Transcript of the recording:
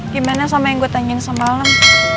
gimana sama yang gue tanyain semalam